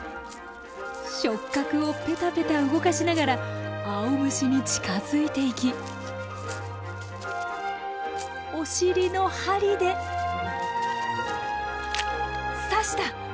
触角をペタペタ動かしながらアオムシに近づいていきお尻の針で刺した！